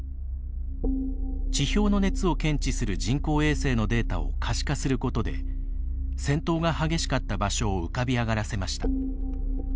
地表の熱を検知する人工衛星のデータを可視化することで戦闘が激しかった場所を浮かび上がらせました。